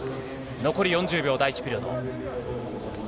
残り４０秒、第１ピリオド。